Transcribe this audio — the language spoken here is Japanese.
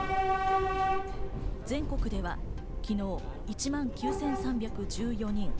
全国では昨日、１万９３１４人。